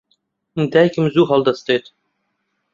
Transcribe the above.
دایکم زوو هەڵدەستێت.